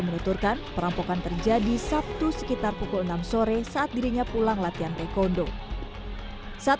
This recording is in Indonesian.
menuturkan perampokan terjadi sabtu sekitar pukul enam sore saat dirinya pulang latihan taekwondo saat